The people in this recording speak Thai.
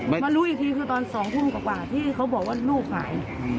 มารู้อีกทีคือตอน๒ทุ่มกว่าที่เขาบอกว่าลูกหาย